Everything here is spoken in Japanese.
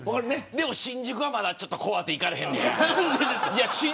新宿はまだ怖くて行かれへん。